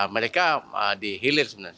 mereka dihilir sebenarnya